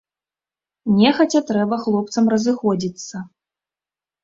Нехаця трэба хлопцам разыходзіцца.